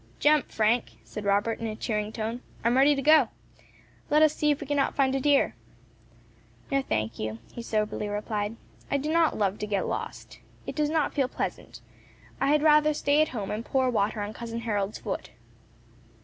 "Jump, Frank," said Robert, in a cheering tone; "I am ready to go. Let us see if we cannot find a deer." "No, I thank you," he soberly replied; "I do not love to get lost. It does not feel pleasant. I had rather stay at home and pour water on cousin Harold's foot."